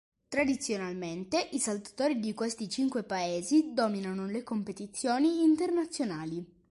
Tradizionalmente i saltatori di questi cinque paesi dominano le competizioni internazionali.